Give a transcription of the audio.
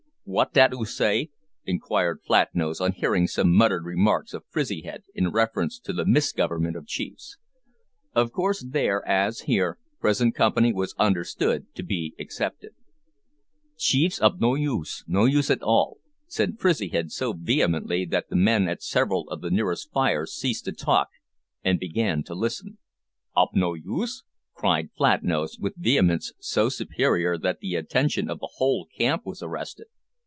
"What dat 'oo say?" inquired Flatnose, on hearing some muttered remarks of Frizzyhead in reference to the misgovernment of chiefs. Of course there, as here, present company was understood to be excepted. "Chiefs ob no use no use at all!" said Frizzyhead so vehemently that the men at several of the nearest fires ceased to talk, and began to listen. "Ob no use?" cried Flatnose, with vehemence so superior that the attention of the whole camp was arrested.